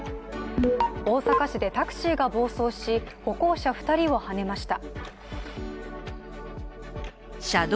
大阪市でタクシーが暴走し、歩行者２人をはねました。